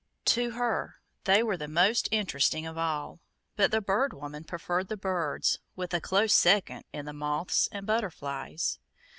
To her, they were the most interesting of all, but the Bird Woman preferred the birds, with a close second in the moths and butterflies.